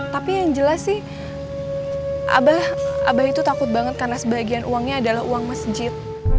tapi yang jelas sih abah itu takut banget karena sebagian uangnya adalah uang masjid